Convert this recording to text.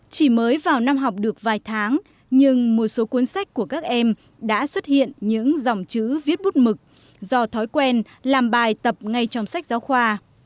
chỉ mới vào năm học được vài tháng nhưng một số cuốn sách của các em đã xuất hiện những dòng chữ viết bút mực do thói quen làm bài tập ngay trong sách giáo khoa